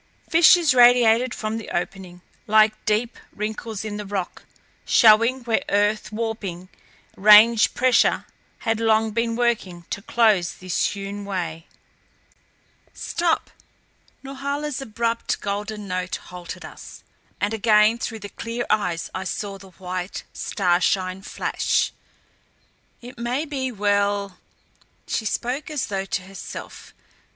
Fissures radiated from the opening, like deep wrinkles in the rock, showing where earth warping, range pressure, had long been working to close this hewn way. "Stop," Norhala's abrupt, golden note halted us; and again through the clear eyes I saw the white starshine flash. "It may be well " She spoke as though to herself.